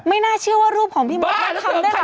ไม่น่าเชื่อว่ารูปของพี่บ้าทำได้หลายเวอร์ชั่น